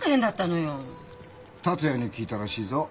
達也に聞いたらしいぞ。